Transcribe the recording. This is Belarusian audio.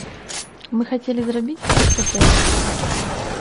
Мы хацелі зрабіць проста тэст.